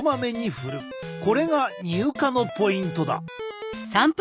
これが乳化のポイントだ！